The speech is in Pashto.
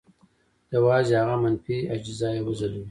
یوازې هغه منفي اجزا یې وځلوي.